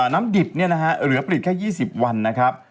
น้ำดิบเหลือผลิตแค่๒๐วันนะครับ